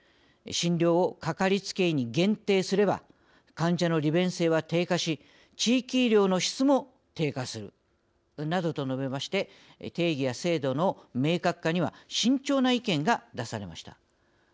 「診療をかかりつけ医に限定すれば患者の利便性は低下し地域医療の質も低下する」。などと述べまして定義や制度の明確化には慎重な意見が出されました。